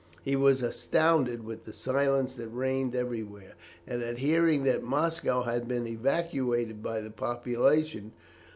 He was astounded with the silence that reigned everywhere, and at hearing that Moscow had been evacuated by the population.